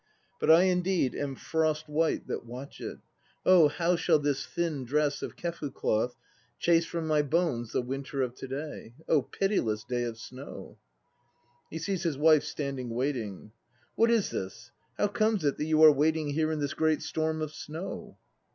But I indeed am frost white 2 that watch it! Oh how shall this thin dress of Kefu cloth * Chase from my bones the winter of to day, Oh pitiless day of snow! (He sees his WIFE standing waiting.) What is this! How comes it that you are waiting here in this great storm of snow?